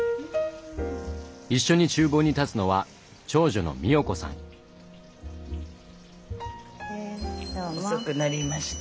一緒に厨房に立つのは遅くなりました。